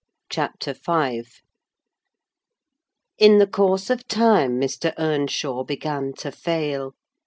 CHAPTER V In the course of time Mr. Earnshaw began to fail.